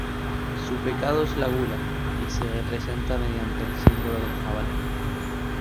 Su pecado es la Gula y se representa mediante el símbolo del Jabalí.